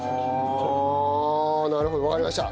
あなるほどわかりました。